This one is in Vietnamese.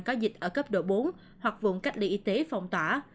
có dịch ở cấp độ bốn hoặc vùng cách ly y tế phong tỏa